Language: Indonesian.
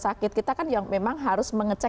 sakit kita kan yang memang harus mengecek